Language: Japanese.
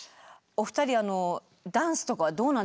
お二人ダンスとかはどうなんですか？